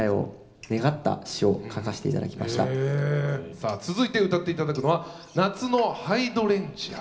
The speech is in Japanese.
さあ続いて歌って頂くのは「夏のハイドレンジア」。